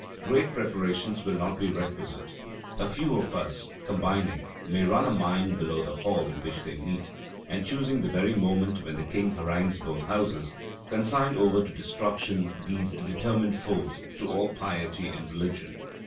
Great preparations will not be requisite. A few of us, combining, may run a mine below the hall in which they meet; and choosing the very moment when the king harangues both houses, consign over to destruction these determined foes to all piety and religion.